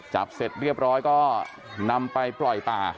จับเสร็จเรียบร้อยก็นำไปปล่อยป่า